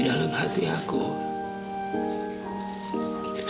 lagi banyak semua kasih